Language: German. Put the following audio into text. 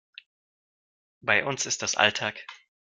Bei uns ist das Alltag.